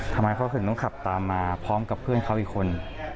ทำไมเขาถึงต้องขับตามมาพร้อมกับเพื่อนเขาอีกคน